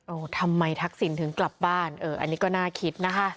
ทำไมทักษิณถึงกลับบ้านเอออันนี้ก็น่าคิดนะคะ